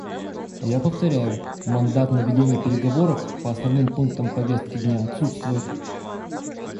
Я повторяю: мандат на ведение переговоров по основным пунктам повестки дня отсутствует.